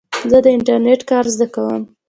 زه د انټرنېټ کار زده کوم.